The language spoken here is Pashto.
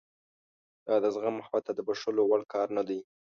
دا د زغم او حتی د بښلو وړ کار نه دی.